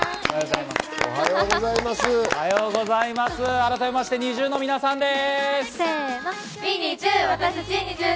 あらためましてＮｉｚｉＵの皆さんです。